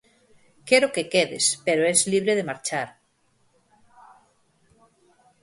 Quero que quedes, pero es libre de marchar.